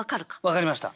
分かりました。